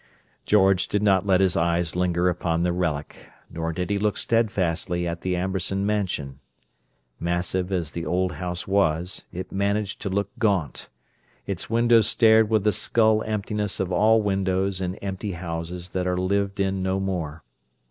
George did not let his eyes linger upon the relic; nor did he look steadfastly at the Amberson Mansion. Massive as the old house was, it managed to look gaunt: its windows stared with the skull emptiness of all windows in empty houses that are to be lived in no more.